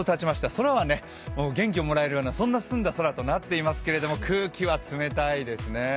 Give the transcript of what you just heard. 空は元気をもらえるようなそんな澄んだ空となっていますが空気は冷たいですね。